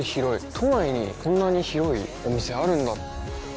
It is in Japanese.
都内にこんなに広いお店あるんだ。